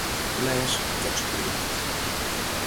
Lês tekstberjocht.